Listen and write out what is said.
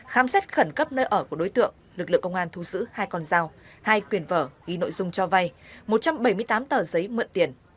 khám xét khẩn cấp nơi ở của đối tượng lực lượng công an thu giữ hai con dao hai quyền vở ghi nội dung cho vay một trăm bảy mươi tám tờ giấy mượn tiền